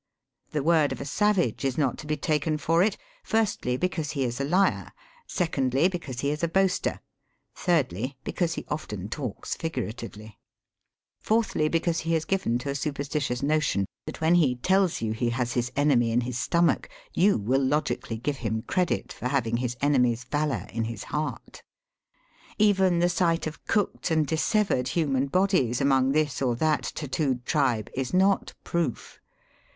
The word of a savage is not to be taken for it ; firstly, because he is a liar ; secondly, because he is a boaster ; thirdly, because he often talks figuratively ; fourthly, because he is given to a superstitious notion that when he tells you he has his enemy in his stomach, you will logically give him credit for having his enemy's valour in his heart. Even the sight of cooked and dissevered human bodies among this or that tattoo'd tribe, is not proof.